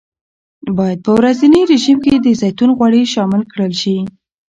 باید په ورځني رژیم کې د زیتون غوړي شامل کړل شي.